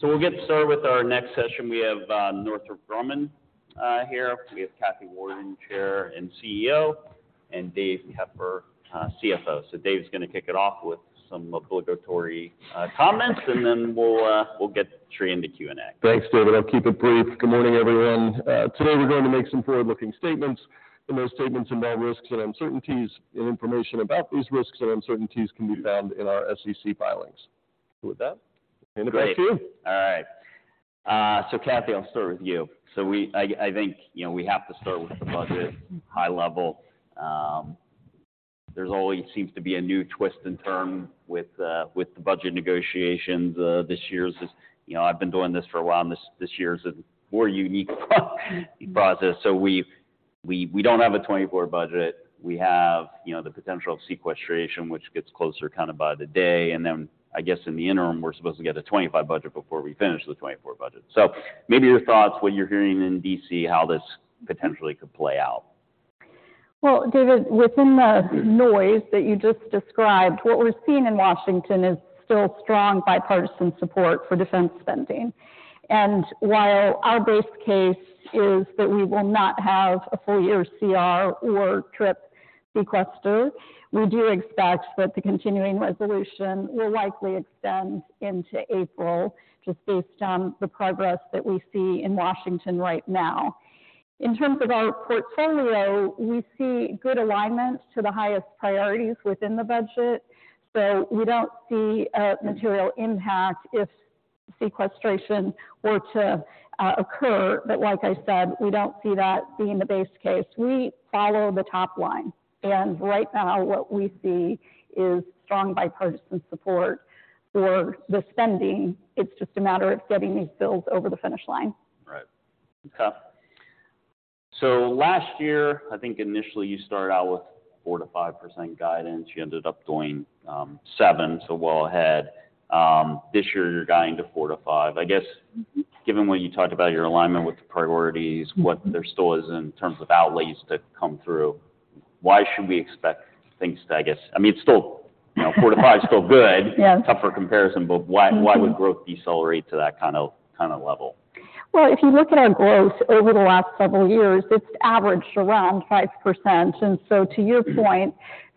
So we'll get started with our next session. We have Northrop Grumman here. We have Kathy Warden, Chair and CEO, and Dave Keffer, CFO. So Dave's gonna kick it off with some obligatory comments, and then we'll get straight into Q&A. Thanks, David. I'll keep it brief. Good morning, everyone. Today, we're going to make some forward-looking statements, and those statements involve risks and uncertainties, and information about these risks and uncertainties can be found in our SEC filings. With that, hand it back to you. Great. All right. So Kathy, I'll start with you. So I think, you know, we have to start with the budget high level. There's always seems to be a new twist and turn with the budget negotiations. This year's, you know, I've been doing this for a while, and this year's a more unique process. So we don't have a 2024 budget. We have, you know, the potential of sequestration, which gets closer kind of by the day. And then, I guess, in the interim, we're supposed to get a 2025 budget before we finish the 2024 budget. So maybe your thoughts, what you're hearing in D.C., how this potentially could play out. Well, David, within the noise that you just described, what we're seeing in Washington is still strong bipartisan support for defense spending. And while our base case is that we will not have a full year CR or trip sequester, we do expect that the continuing resolution will likely extend into April, just based on the progress that we see in Washington right now. In terms of our portfolio, we see good alignment to the highest priorities within the budget, so we don't see a material impact if sequestration were to occur. But like I said, we don't see that being the base case. We follow the top line, and right now, what we see is strong bipartisan support for the spending. It's just a matter of getting these bills over the finish line. Right. Okay. So last year, I think initially you started out with 4%-5% guidance. You ended up doing 7%, so well ahead. This year you're guiding to 4%-5%. I guess, given what you talked about, your alignment with the priorities, what there still is in terms of outlays to come through, why should we expect things to, I guess, I mean, it's still, you know, 4%-5% is still good. Yes. Tougher comparison, but why- Mm-hmm. Why would growth decelerate to that kind of, kind of level? Well, if you look at our growth over the last several years, it's averaged around 5%. And so to your point,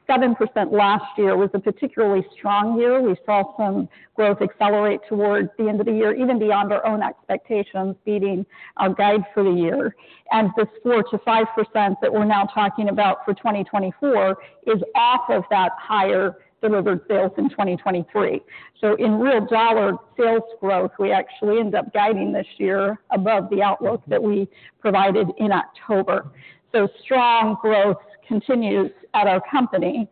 7% last year was a particularly strong year. We saw some growth accelerate towards the end of the year, even beyond our own expectations, beating our guide for the year. And the 4%-5% that we're now talking about for 2024 is off of that higher delivered sales in 2023. So in real dollar sales growth, we actually end up guiding this year above the outlook that we provided in October. So strong growth continues at our company.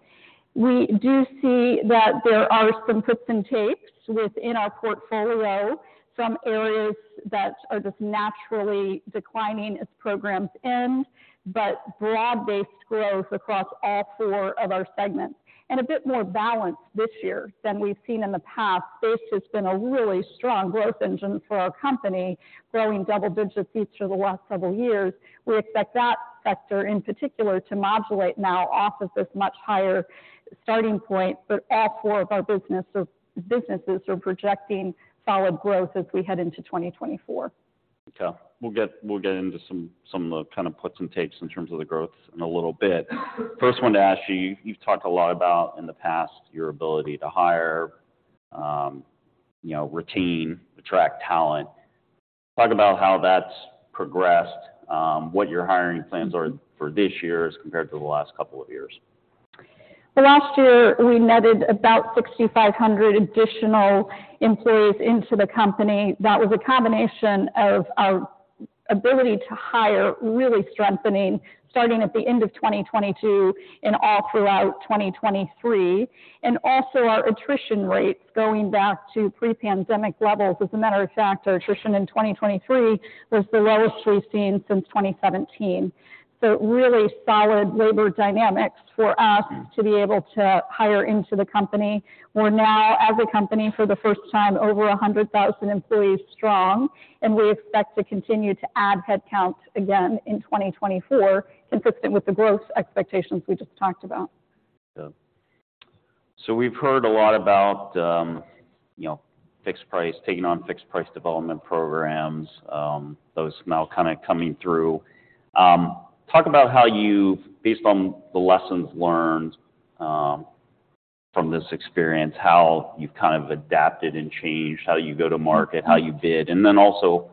We do see that there are some puts and takes within our portfolio. Some areas that are just naturally declining as programs end, but broad-based growth across all four of our segments. And a bit more balanced this year than we've seen in the past. Space has been a really strong growth engine for our company, growing double digits each for the last several years. We expect that sector, in particular, to modulate now off of this much higher starting point, but all four of our business or businesses are projecting solid growth as we head into 2024. Okay. We'll get into some of the kind of puts and takes in terms of the growth in a little bit. First one to ask you: You've talked a lot about, in the past, your ability to hire, you know, retain, attract talent. Talk about how that's progressed, what your hiring plans are for this year as compared to the last couple of years. Well, last year, we netted about 6,500 additional employees into the company. That was a combination of our ability to hire, really strengthening, starting at the end of 2022 and all throughout 2023, and also our attrition rates going back to pre-pandemic levels. As a matter of fact, our attrition in 2023 was the lowest we've seen since 2017. So really solid labor dynamics for us to be able to hire into the company. We're now, as a company, for the first time, over 100,000 employees strong, and we expect to continue to add headcount again in 2024, consistent with the growth expectations we just talked about. Yeah. So we've heard a lot about, you know, fixed price, taking on fixed price development programs, those now kind of coming through. Talk about how you've, based on the lessons learned, from this experience, how you've kind of adapted and changed how you go to market, how you bid, and then also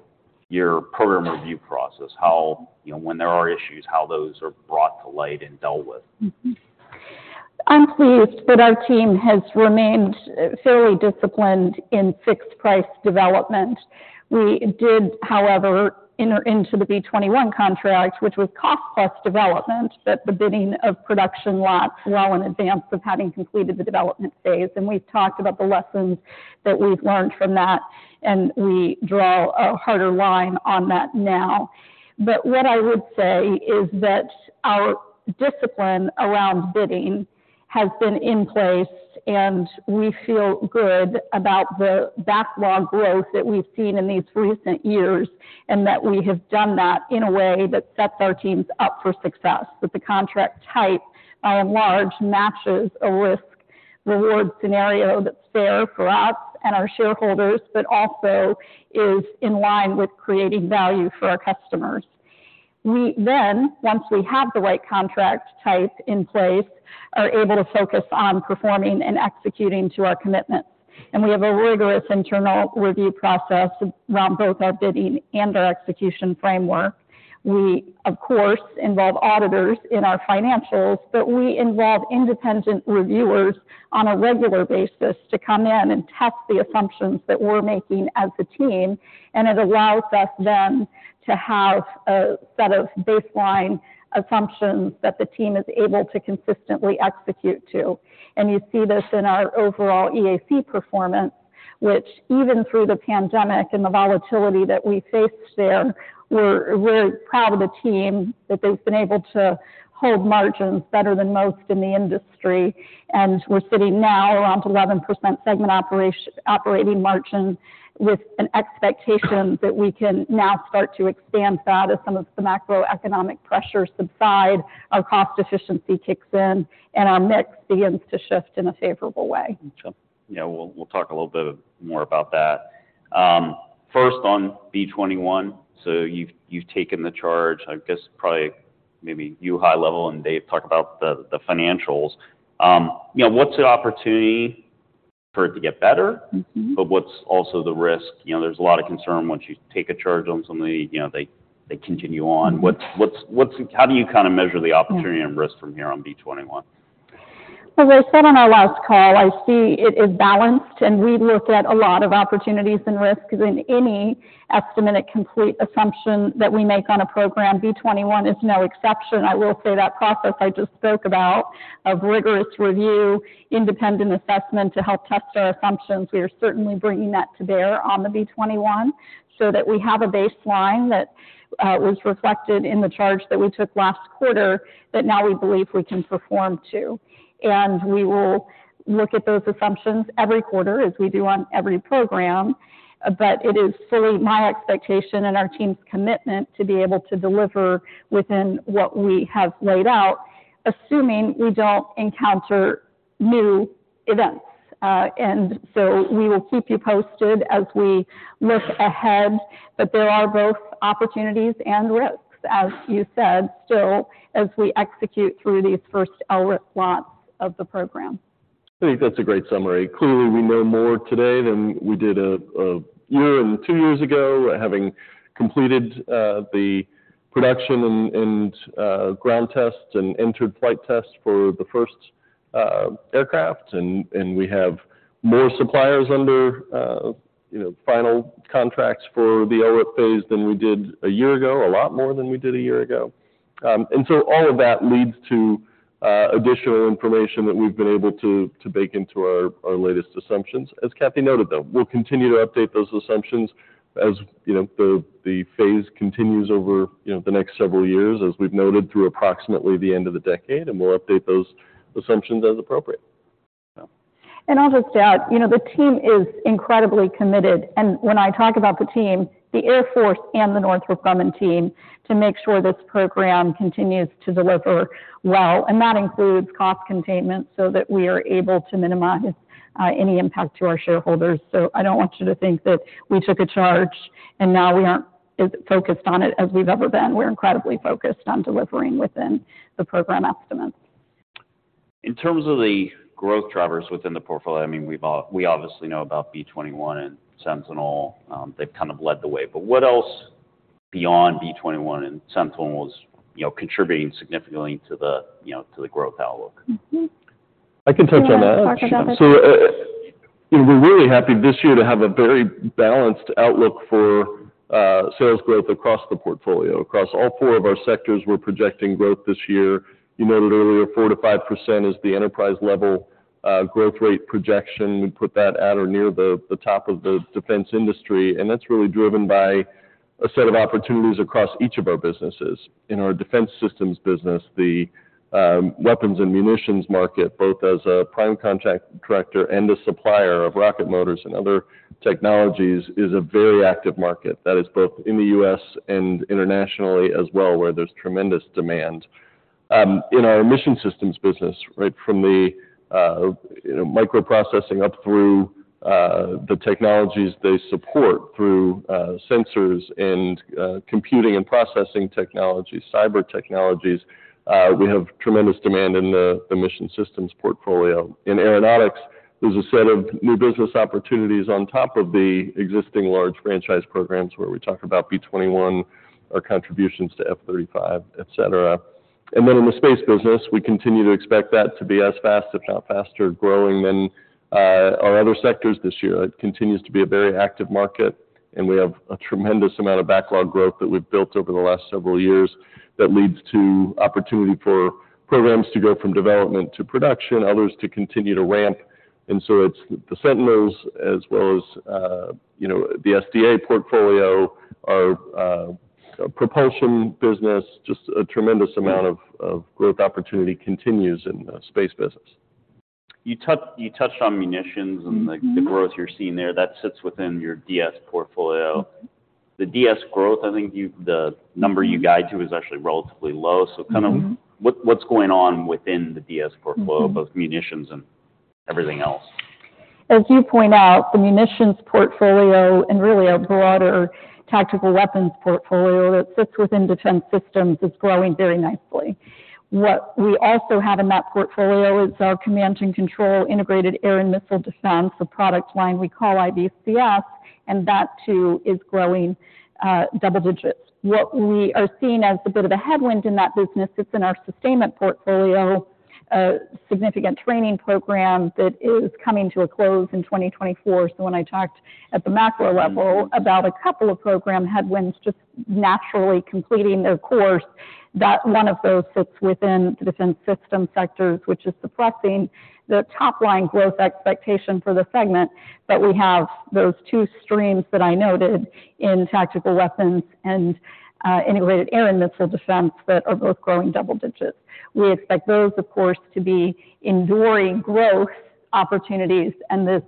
your program review process. How, you know, when there are issues, how those are brought to light and dealt with? Mm-hmm. I'm pleased that our team has remained fairly disciplined in fixed price development. We did, however, enter into the B-21 contract, which was cost-plus development, but the bidding of production lots well in advance of having completed the development phase. And we've talked about the lessons that we've learned from that, and we draw a harder line on that now. But what I would say is that our discipline around bidding has been in place, and we feel good about the backlog growth that we've seen in these recent years, and that we have done that in a way that sets our teams up for success. That the contract type, by and large, matches a risk/reward scenario that's fair for us and our shareholders, but also is in line with creating value for our customers.... We then, once we have the right contract type in place, are able to focus on performing and executing to our commitments. We have a rigorous internal review process around both our bidding and our execution framework. We, of course, involve auditors in our financials, but we involve independent reviewers on a regular basis to come in and test the assumptions that we're making as a team, and it allows us then to have a set of baseline assumptions that the team is able to consistently execute to. You see this in our overall EAC performance, which even through the pandemic and the volatility that we faced there, we're, we're proud of the team, that they've been able to hold margins better than most in the industry. We're sitting now around 11% segment operating margin, with an expectation that we can now start to expand that as some of the macroeconomic pressures subside, our cost efficiency kicks in, and our mix begins to shift in a favorable way. Gotcha. Yeah, we'll, we'll talk a little bit more about that. First, on B-21, so you've, you've taken the charge, I guess probably maybe you high level, and Dave talked about the, the financials. You know, what's the opportunity for it to get better? Mm-hmm. But what's also the risk? You know, there's a lot of concern once you take a charge on something. You know, they, they continue on. Mm-hmm. How do you kind of measure the opportunity and risk from here on B-21? Well, as I said on our last call, I see it is balanced, and we've looked at a lot of opportunities and risks in any estimate at completion assumption that we make on a program. B-21 is no exception. I will say that process I just spoke about, of rigorous review, independent assessment to help test our assumptions, we are certainly bringing that to bear on the B-21, so that we have a baseline that was reflected in the charge that we took last quarter, that now we believe we can perform to. And we will look at those assumptions every quarter, as we do on every program. But it is still my expectation and our team's commitment to be able to deliver within what we have laid out, assuming we don't encounter new events. And so we will keep you posted as we look ahead, but there are both opportunities and risks, as you said, still, as we execute through these first LRIP slots of the program. I think that's a great summary. Clearly, we know more today than we did a year and two years ago, having completed the production and ground tests and entered flight tests for the first aircraft. We have more suppliers under, you know, final contracts for the LRIP phase than we did a year ago, a lot more than we did a year ago. So all of that leads to additional information that we've been able to bake into our latest assumptions. As Kathy noted, though, we'll continue to update those assumptions, as, you know, the phase continues over, you know, the next several years, as we've noted, through approximately the end of the decade, and we'll update those assumptions as appropriate. And I'll just add, you know, the team is incredibly committed, and when I talk about the team, the Air Force and the Northrop Grumman team, to make sure this program continues to deliver well, and that includes cost containment, so that we are able to minimize any impact to our shareholders. So I don't want you to think that we took a charge, and now we aren't as focused on it as we've ever been. We're incredibly focused on delivering within the program estimates. In terms of the growth drivers within the portfolio, I mean, we've all we obviously know about B-21 and Sentinel. They've kind of led the way. But what else beyond B-21 and Sentinel is, you know, contributing significantly to the, you know, to the growth outlook? Mm-hmm. I can touch on that. You want to talk about it? So, you know, we're really happy this year to have a very balanced outlook for sales growth across the portfolio. Across all four of our sectors, we're projecting growth this year. You noted earlier, 4%-5% is the enterprise-level growth rate projection. We put that at or near the top of the defense industry, and that's really driven by a set of opportunities across each of our businesses. In our Defense Systems business, the weapons and munitions market, both as a prime contract director and a supplier of rocket motors and other technologies, is a very active market. That is both in the U.S. and internationally as well, where there's tremendous demand. In our Mission Systems business, right from the, you know, microprocessing up through the technologies they support, through sensors and computing and processing technology, cyber technologies, we have tremendous demand in the Mission Systems portfolio. In Aeronautics, there's a set of new business opportunities on top of the existing large franchise programs, where we talk about B-21, our contributions to F-35, et cetera. And then in the Space business, we continue to expect that to be as fast, if not faster, growing than our other sectors this year. It continues to be a very active market, and we have a tremendous amount of backlog growth that we've built over the last several years that leads to opportunity for programs to go from development to production, others to continue to ramp. And so it's the Sentinels as well as, you know, the SDA portfolio, our Propulsion business, just a tremendous amount of growth opportunity continues in the Space business. You touched on munitions- Mm-hmm... and the growth you're seeing there. That sits within your DS portfolio. Mm-hmm. The DS growth, I think you've the number you guide to is actually relatively low. Mm-hmm. Kind of, what's going on within the DS portfolio- Mm-hmm both munitions and everything else?... as you point out, the munitions portfolio and really our broader tactical weapons portfolio that sits within Defense Systems is growing very nicely. What we also have in that portfolio is our command and control, integrated air and missile defense, a product line we call IBCS, and that too is growing double digits. What we are seeing as a bit of a headwind in that business, it's in our sustainment portfolio, significant training program that is coming to a close in 2024. So when I talked at the macro level about a couple of program headwinds, just naturally completing their course, that one of those sits within the Defense System sectors, which is suppressing the top line growth expectation for the segment. We have those two streams that I noted in tactical weapons and integrated air and missile defense that are both growing double digits. We expect those, of course, to be enduring growth opportunities and the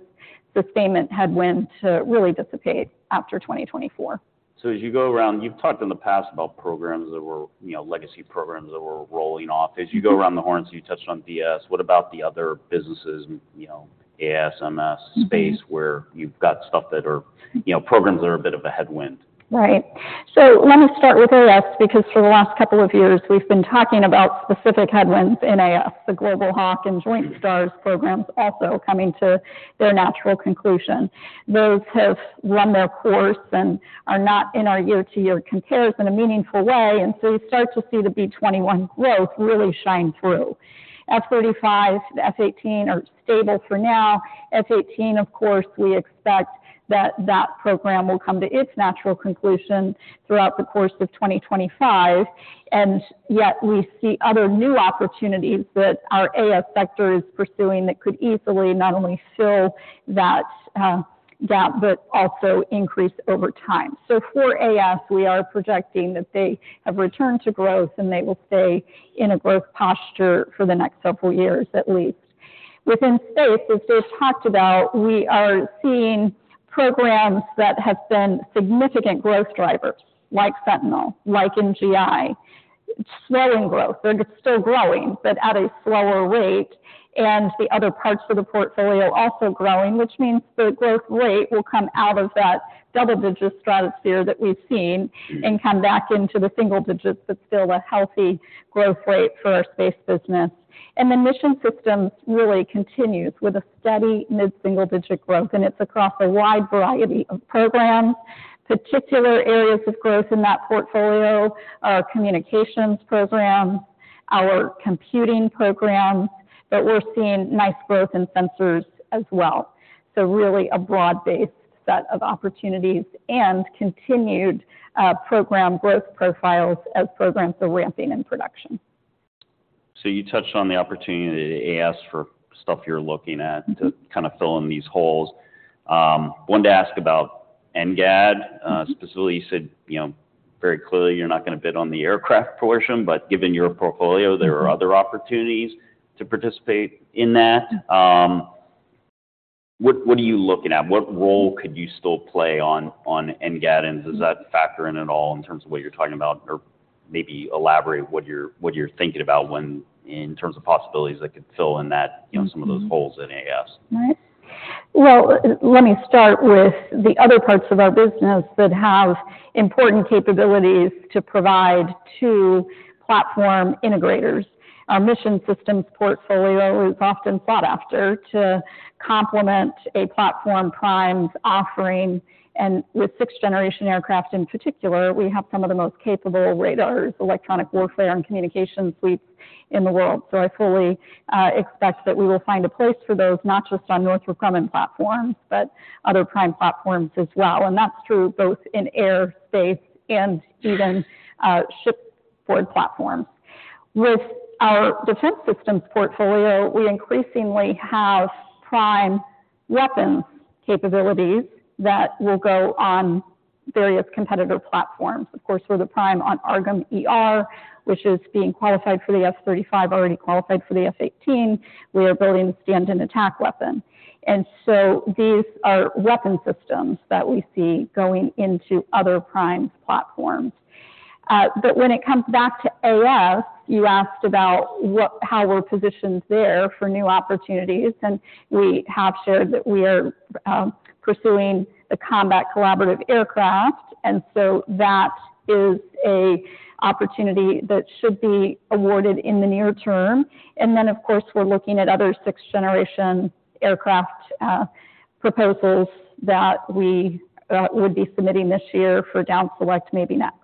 sustainment headwind to really dissipate after 2024. So as you go around, you've talked in the past about programs that were, you know, legacy programs that were rolling off. As you go around the horns, you touched on DS, what about the other businesses, you know, AS, MS space, where you've got stuff that are, you know, programs that are a bit of a headwind? Right. So let me start with AS, because for the last couple of years, we've been talking about specific headwinds in AS, the Global Hawk and Joint STARS programs also coming to their natural conclusion. Those have run their course and are not in our year-to-year compares in a meaningful way, and so you start to see the B-21 growth really shine through. F-35, the F-18 are stable for now. F-18, of course, we expect that that program will come to its natural conclusion throughout the course of 2025, and yet we see other new opportunities that our AS sector is pursuing that could easily not only fill that, that, but also increase over time. So for AS, we are projecting that they have returned to growth, and they will stay in a growth posture for the next several years, at least. Within space, as Dave talked about, we are seeing programs that have been significant growth drivers, like Sentinel, like NGI, slowing growth. They're still growing, but at a slower rate, and the other parts of the portfolio also growing, which means the growth rate will come out of that double-digit stratosphere that we've seen and come back into the single digits, but still a healthy growth rate for our Space business. And the Mission Systems really continues with a steady mid-single digit growth, and it's across a wide variety of programs. Particular areas of growth in that portfolio are communications programs, our computing programs, but we're seeing nice growth in sensors as well. So really, a broad-based set of opportunities and continued program growth profiles as programs are ramping in production. So you touched on the opportunity to ask for stuff you're looking at- Mm-hmm. - to kind of fill in these holes. Wanted to ask about NGAD. Mm-hmm. Specifically, you said, you know, very clearly, you're not going to bid on the aircraft portion, but given your portfolio, there are other opportunities to participate in that. What are you looking at? What role could you still play on NGAD, and does that factor in at all in terms of what you're talking about? Or maybe elaborate what you're thinking about when, in terms of possibilities that could fill in that, you know- Mm-hmm. - some of those holes in AS. Right. Well, let me start with the other parts of our business that have important capabilities to provide to platform integrators. Our Mission Systems portfolio is often sought after to complement a platform prime's offering, and with sixth-generation aircraft in particular, we have some of the most capable radars, electronic warfare and communication suites in the world. So I fully expect that we will find a place for those, not just on Northrop Grumman platforms, but other prime platforms as well. And that's true both in air, space, and even shipboard platforms. With our Defense Systems portfolio, we increasingly have prime weapons capabilities that will go on various competitor platforms. Of course, we're the prime on AARGM-ER, which is being qualified for the F-35, already qualified for the F-18. We are building the Stand-in Attack Weapon. These are weapon systems that we see going into other primes' platforms. But when it comes back to AS, you asked about how we're positioned there for new opportunities, and we have shared that we are pursuing the Collaborative Combat Aircraft. That is an opportunity that should be awarded in the near term. Then, of course, we're looking at other 6th-gen aircraft proposals that we would be submitting this year for down select, maybe next.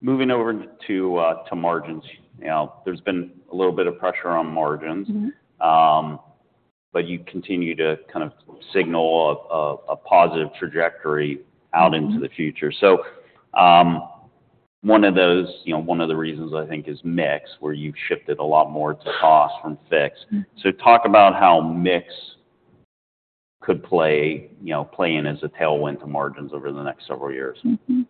Moving over to margins. Now, there's been a little bit of pressure on margins. Mm-hmm. but you continue to kind of signal a positive trajectory out- Mm-hmm. - into the future. So, one of those, you know, one of the reasons I think, is mix, where you've shifted a lot more to cost from fix. Mm. So talk about how mix could play, you know, play in as a tailwind to margins over the next several years. Mm-hmm.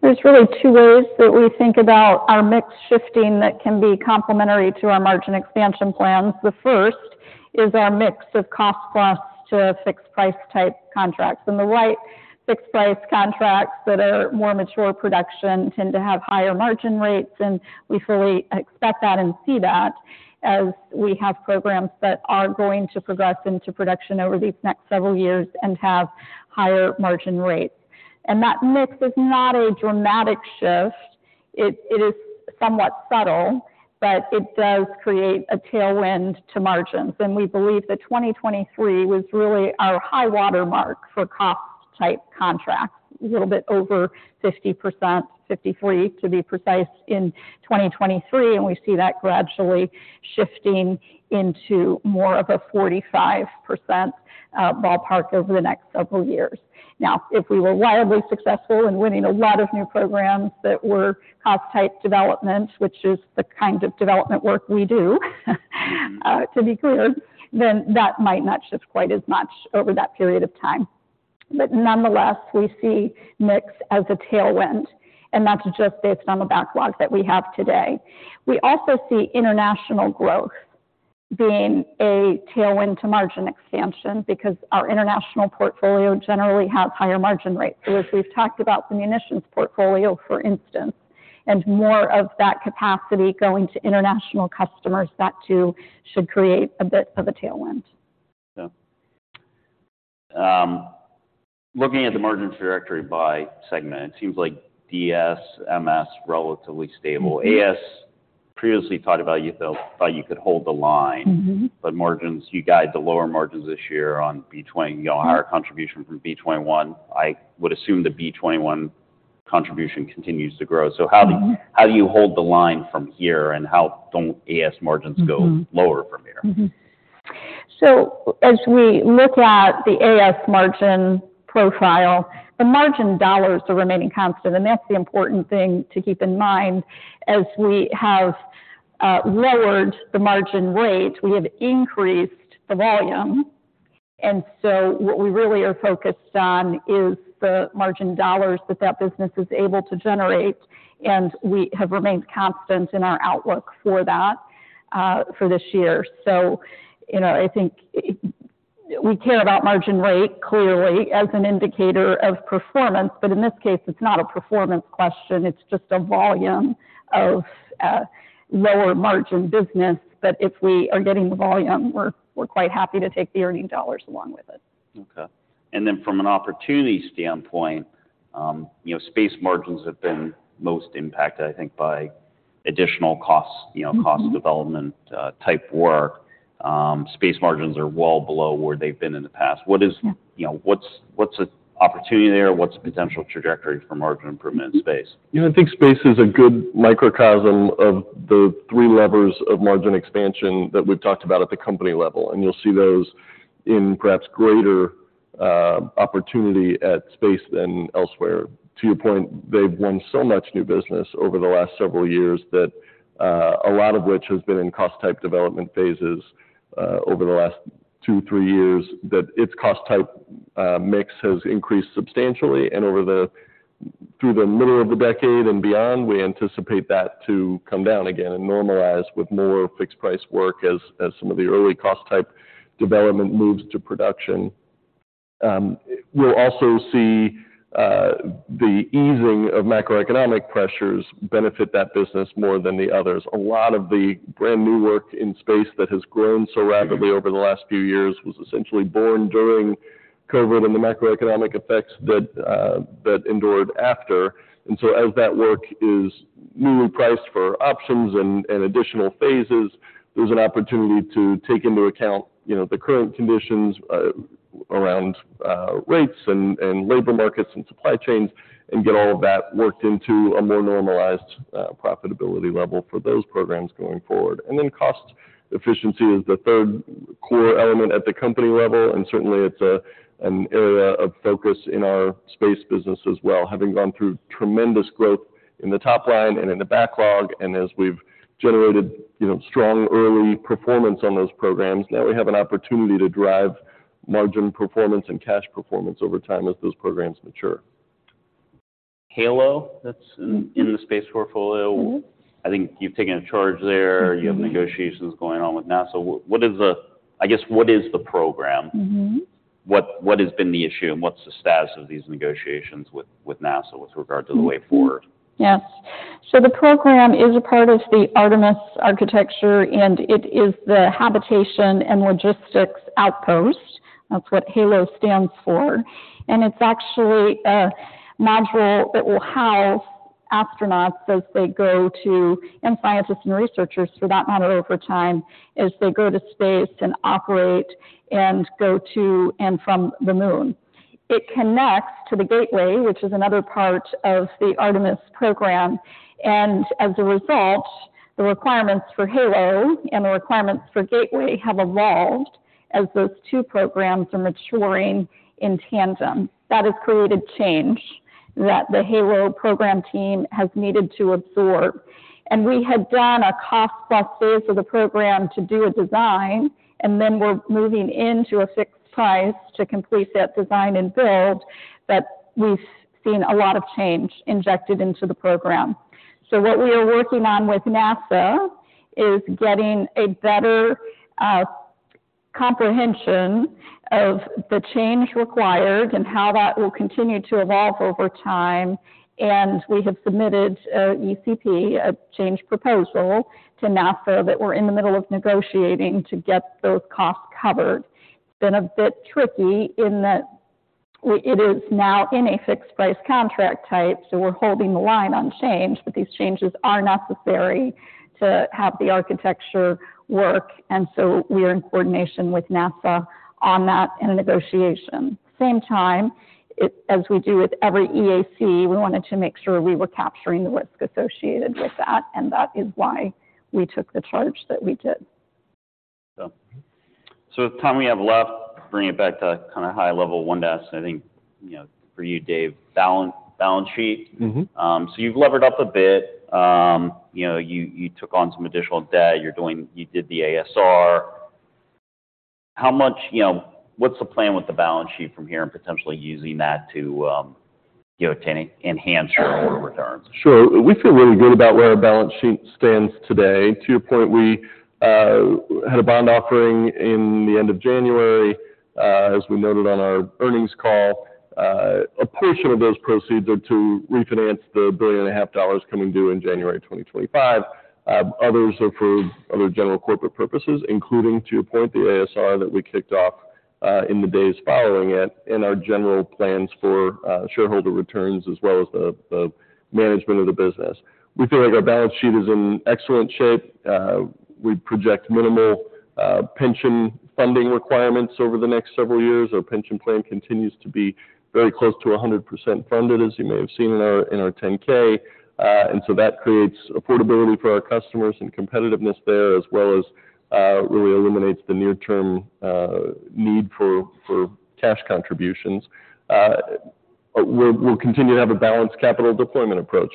There's really two ways that we think about our mix shifting that can be complementary to our margin expansion plans. The first is our mix of cost plus to a fixed price type contracts. On the right, fixed price contracts that are more mature production tend to have higher margin rates, and we fully expect that and see that as we have programs that are going to progress into production over these next several years and have higher margin rates. And that mix is not a dramatic shift. It, it is somewhat subtle, but it does create a tailwind to margins. And we believe that 2023 was really our high watermark for cost type contracts, a little bit over 50%, 53, to be precise, in 2023, and we see that gradually shifting into more of a 45% ballpark over the next several years. Now, if we were wildly successful in winning a lot of new programs that were cost-type developments, which is the kind of development work we do, to be clear, then that might not shift quite as much over that period of time. But nonetheless, we see mix as a tailwind, and that's just based on the backlog that we have today. We also see international growth being a tailwind to margin expansion because our international portfolio generally has higher margin rates. So as we've talked about the munitions portfolio, for instance, and more of that capacity going to international customers, that too, should create a bit of a tailwind. Yeah. Looking at the margin trajectory by segment, it seems like DS, MS, relatively stable. Mm-hmm. As previously thought about you, thought you could hold the line. Mm-hmm. Margins, you guide the lower margins this year on B-21, you know, higher contribution from B-21. I would assume the B-21 contribution continues to grow. Mm-hmm. So, how do you hold the line from here, and how don't AS margins- Mm-hmm. Go lower from here? Mm-hmm. So as we look at the AS margin profile, the margin dollars are remaining constant, and that's the important thing to keep in mind. As we have lowered the margin rate, we have increased the volume, and so what we really are focused on is the margin dollars that that business is able to generate, and we have remained constant in our outlook for that for this year. So, you know, I think it, we care about margin rate, clearly, as an indicator of performance, but in this case, it's not a performance question, it's just a volume of lower margin business. But if we are getting the volume, we're quite happy to take the earning dollars along with it. Okay. And then from an opportunity standpoint, you know, Space margins have been most impacted, I think, by additional costs, you know- Mm-hmm. Low-cost development-type work. Space margins are well below where they've been in the past. Yeah. You know, what's the opportunity there? What's the potential trajectory for margin improvement in space? You know, I think Space is a good microcosm of the three levers of margin expansion that we've talked about at the company level, and you'll see those in perhaps greater opportunity at Space than elsewhere. To your point, they've won so much new business over the last several years that a lot of which has been in cost-type development phases over the last two, three years, that its cost-type mix has increased substantially. And through the middle of the decade and beyond, we anticipate that to come down again and normalize with more fixed price work as some of the early cost-type development moves to production. We'll also see the easing of macroeconomic pressures benefit that business more than the others. A lot of the brand-new work in Space that has grown so rapidly over the last few years was essentially born during COVID and the macroeconomic effects that that endured after. And so as that work is newly priced for options and additional phases, there's an opportunity to take into account, you know, the current conditions around rates and labor markets and supply chains, and get all of that worked into a more normalized profitability level for those programs going forward. And then cost efficiency is the third core element at the company level, and certainly, it's an area of focus in our Space business as well, having gone through tremendous growth in the top line and in the backlog. As we've generated, you know, strong early performance on those programs, now we have an opportunity to drive margin performance and cash performance over time as those programs mature. HALO, that's Mm-hmm. in the Space portfolio. Mm-hmm. I think you've taken a charge there. Mm-hmm. You have negotiations going on with NASA. What is the... I guess, what is the program? Mm-hmm. What has been the issue, and what's the status of these negotiations with NASA with regard to the way forward? Mm-hmm. Yes. The program is a part of the Artemis architecture, and it is the habitation and logistics outpost. That's what HALO stands for. It's actually a module that will house astronauts as they go to, and scientists and researchers for that matter, over time, as they go to space and operate and go to and from the Moon. It connects to the Gateway, which is another part of the Artemis program, and as a result, the requirements for HALO and the requirements for Gateway have evolved as those two programs are maturing in tandem. That has created change that the HALO program team has needed to absorb. We had done a cost plus phase of the program to do a design, and then we're moving into a fixed price to complete that design and build. But we've seen a lot of change injected into the program. So what we are working on with NASA is getting a better comprehension of the change required and how that will continue to evolve over time. And we have submitted an ECP, a change proposal, to NASA that we're in the middle of negotiating to get those costs covered. It's been a bit tricky in that it is now in a fixed price contract type, so we're holding the line on change, but these changes are necessary to have the architecture work, and so we are in coordination with NASA on that in a negotiation. At the same time, as we do with every EAC, we wanted to make sure we were capturing the risk associated with that, and that is why we took the charge that we did. So, with the time we have left, bring it back to kind of high level, and ask, I think, you know, for you, Dave, balance sheet. Mm-hmm. So you've levered up a bit. You know, you, you took on some additional debt. You're doing- you did the ASR. How much... You know, what's the plan with the balance sheet from here and potentially using that to, you know, to enhance your shareholder returns? Sure. We feel really good about where our balance sheet stands today. To your point, we had a bond offering in the end of January. As we noted on our earnings call, a portion of those proceeds are to refinance the $1.5 billion coming due in January 2025. Others are for other general corporate purposes, including, to your point, the ASR that we kicked off in the days following it, and our general plans for shareholder returns, as well as the management of the business. We feel like our balance sheet is in excellent shape. We project minimal pension funding requirements over the next several years. Our pension plan continues to be very close to 100% funded, as you may have seen in our 10-K. And so that creates affordability for our customers and competitiveness there, as well as really eliminates the near-term need for cash contributions. We'll continue to have a balanced capital deployment approach.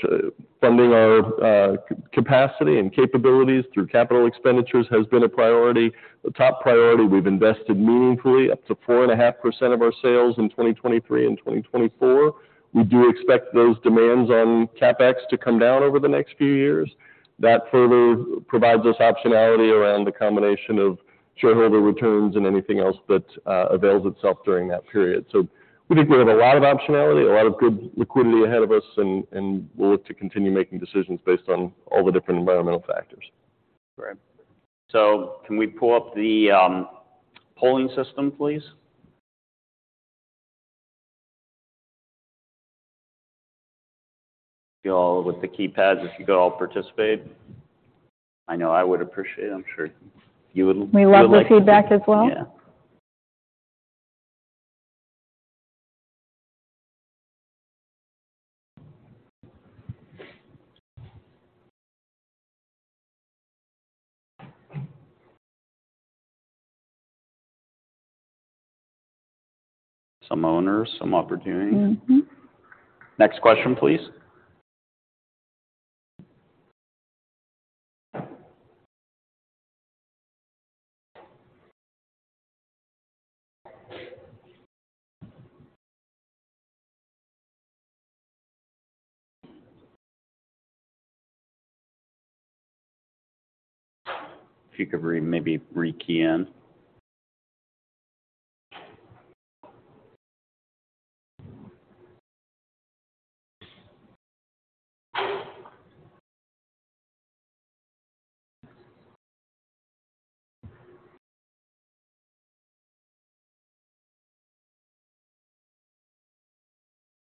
Funding our capacity and capabilities through capital expenditures has been a priority, a top priority. We've invested meaningfully, up to 4.5% of our sales in 2023 and 2024. We do expect those demands on CapEx to come down over the next few years. That further provides us optionality around the combination of shareholder returns and anything else that avails itself during that period. So we think we have a lot of optionality, a lot of good liquidity ahead of us, and we'll look to continue making decisions based on all the different environmental factors. Great. So can we pull up the polling system, please? You all, with the keypads, if you could all participate. I know I would appreciate it. I'm sure you would- We love the feedback as well. Yeah. Some owners, some opportunities. Mm-hmm. Next question, please. If you could rekey in.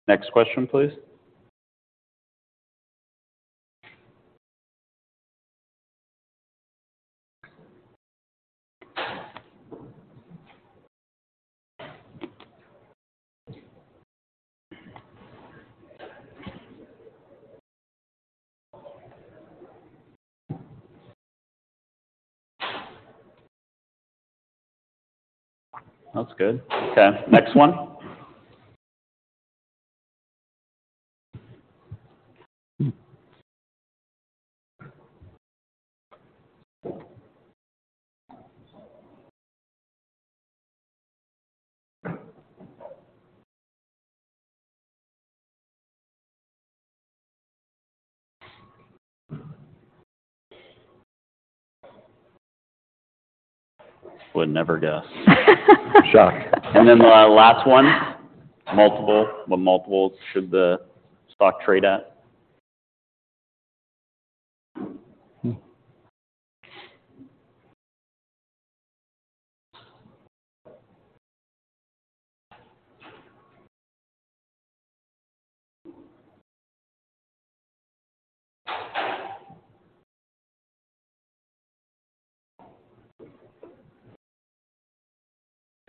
Next question, please. That's good. Okay, next one. Would never guess. Shock. And then the last one. Multiple. What multiples should the stock trade at?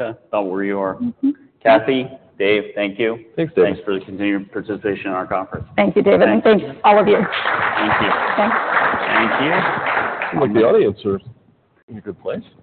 Okay. About where you are. Mm-hmm. Kathy, Dave, thank you. Thanks, Dave. Thanks for the continued participation in our conference. Thank you, David, and thank all of you. Thank you. Thanks. Thank you. Looks like the audience are in a good place.